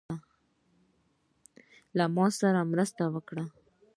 له ماسره مرسته وکړه.